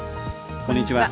こんにちは。